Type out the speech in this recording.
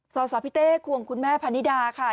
สอสอพิเต้ควงคุณแม่พานิดาค่ะ